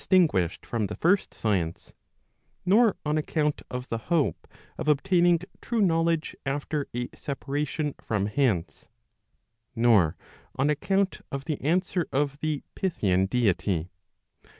Digitized by boogie ON PROVIDENCE 47fc guished from the first science, nor on account of the hope of obtaining true knowledge after a separation from hence, nor on account of the answer of the Pythian deity.